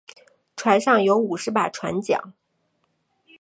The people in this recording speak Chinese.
船上有五十把船浆。